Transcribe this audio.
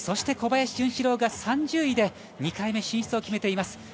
小林潤志郎が３０位で２回目進出を決めています。